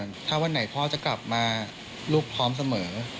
ถ้าวันไหนพ่อจะกลับมาลูกพร้อมเสมอ